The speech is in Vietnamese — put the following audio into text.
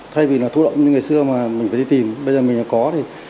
thay vì là thu động như ngày xưa mà mình phải đi tìm bây giờ mình có thì